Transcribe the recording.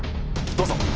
どうぞ！